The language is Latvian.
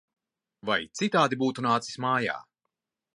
Vai citādi būtu nācis mājā!